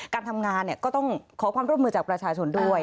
การทำงานก็ต้องขอความร่วมมือจากประชาชนด้วย